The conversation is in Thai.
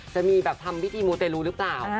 จะมีแบบทำพิธีมูเตรลูหรือเปล่า